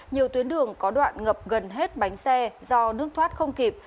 nhiều tuyến đường có đoạn ngập gần hết bánh xe do nước thoát không kịp